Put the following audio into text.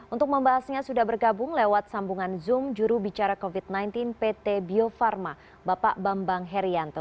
untuk membahasnya sudah bergabung lewat sambungan zoom juru bicara covid sembilan belas pt bio farma bapak bambang herianto